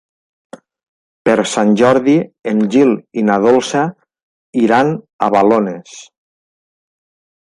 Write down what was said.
Per Sant Jordi en Gil i na Dolça iran a Balones.